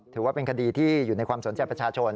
ถือว่าเป็นคดีที่อยู่ในความสนใจประชาชน